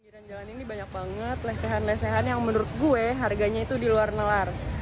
piran jalan ini banyak banget lesehan lesehan yang menurut gue harganya itu di luar nalar